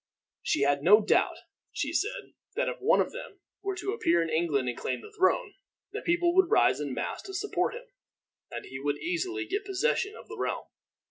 She had no doubt, she said, that if one of them were to appear in England and claim the throne, the people would rise in mass to support him, and he would easily get possession of the realm.